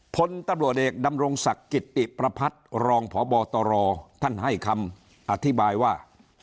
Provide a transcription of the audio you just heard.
พลตำรวจเอกดำรงศักดิ์กิติประพัฒน์รองพบตรท่านให้คำอธิบายว่า